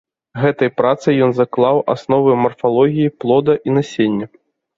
Гэтай працай ён заклаў асновы марфалогіі плода і насення.